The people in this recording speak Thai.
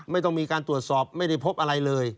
ไม่ต้องมีการตรวจสอบไม่ได้พบอะไรเลย